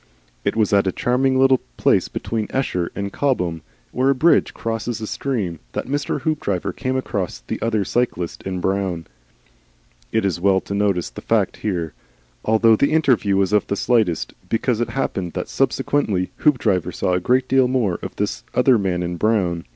It was at a charming little place between Esher and Cobham, where a bridge crosses a stream, that Mr. Hoopdriver came across the other cyclist in brown. It is well to notice the fact here, although the interview was of the slightest, because it happened that subsequently Hoopdriver saw a great deal more of this other man in brown.